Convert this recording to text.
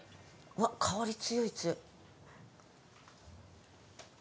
うわっ香り強い強い。